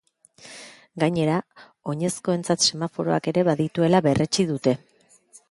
Gainera, oinezkoentzat semaforoak ere badituela berretsi dute.